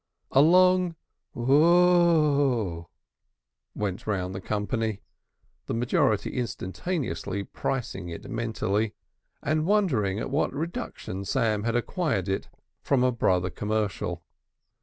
A long "O h h" went round the company, the majority instantaneously pricing it mentally, and wondering at what reduction Sam had acquired it from a brother commercial.